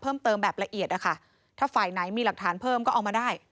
เพิ่มเติมแบบละเอียดนะคะถ้าฝ่ายไหนมีหลักฐานเพิ่มก็เอามาได้